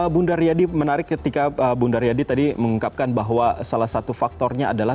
bunda riyadi menarik ketika bunda riyadi tadi mengungkapkan bahwa salah satu faktornya adalah